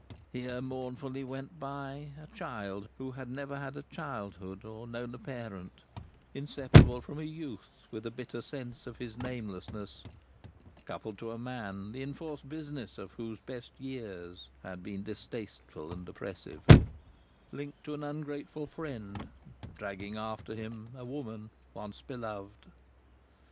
Here, mournfully went by, a child who had never had a childhood or known a parent, inseparable from a youth with a bitter sense of his namelessness, coupled to a man the enforced business of whose best years had been distasteful and oppressive, linked to an ungrateful friend, dragging after him a woman once beloved.